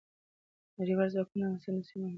نړیوال ځواکونه افغانستان د سیمې مهمه دروازه بولي.